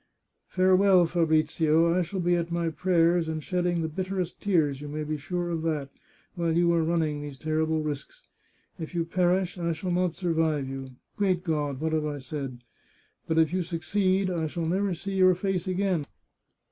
" Farewell, Fabrizio ! I shall be at my prayers, and shed ding the bitterest tears, you may be sure of that, while you are running these terrible risks. If you perish I shall not survive you — great God, what have I said? But if you 402 The Chartreuse of Parma succeed, I shall never see your face again.